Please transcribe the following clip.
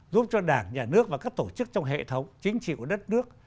giúp cho đảng nhà nước và các tổ chức trong hệ thống chính trị của đảng